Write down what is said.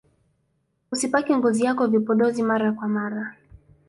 usipake ngozi yako vipodozi mara kwa mara